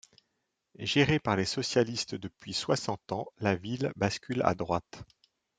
Gérée par les socialistes depuis soixante ans, la ville bascule à droite.